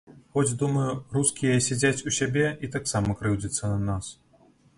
Хоць думаю, рускія сядзяць у сябе і таксама крыўдзяцца на нас.